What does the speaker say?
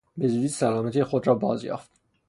به زودی سلامتی خود را بازیافت.